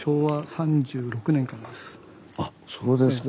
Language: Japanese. あっそうですか。